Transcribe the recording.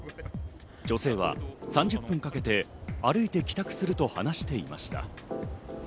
女性は３０分かけて歩いて帰宅すると話していました。